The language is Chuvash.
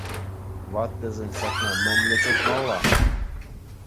Ваттисен ҫакна мӗнле чӑтмалла?